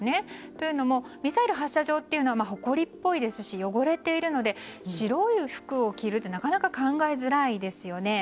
というのもミサイル発射場というのは埃っぽいし、汚れているので白い服を着るってなかなか考えづらいですよね。